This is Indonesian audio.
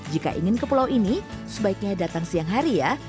jika ingin ke pulau ini sebaiknya datang siang hari ya